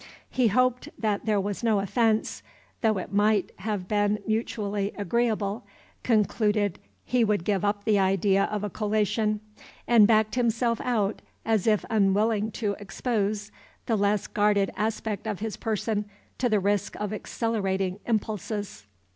He hoped that there was no offence, thought it might have been mutooally agreeable, conclooded he would give up the idee of a colation, and backed himself out as if unwilling to expose the less guarded aspect of his person to the risk of accelerating impulses.